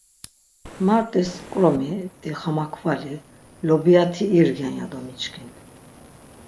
Mart̆is k̆romi, dixamakvali, lobiyati irgen ya do miçkin.